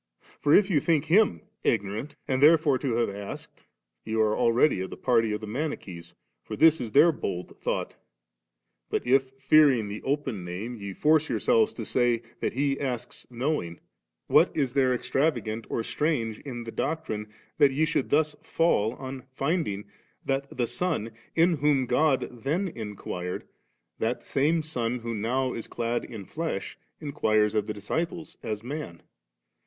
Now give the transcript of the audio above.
for if you think Him ignorant and therefore to have asked, you are abready of the party of the Manichees, for this is their bold thought ; but if^ fearing the open name, ye force yourselves to say, that He asks knowing, what is there extravagant or strange in the doctrine, that ye should thus fall, on finding that the Son, in whom God then inquired, that same Son who now is clad in flesh, inquires of the disciples as man